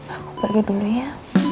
aku pergi dulu ya